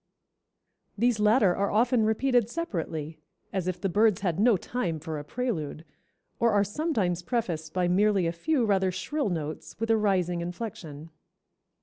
These latter are often repeated separately, as if the birds had no time for a prelude, or are sometimes prefaced by merely a few rather shrill notes with a rising inflection."